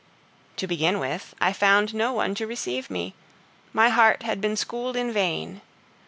To begin with, I found no one to receive me; my heart had been schooled in vain.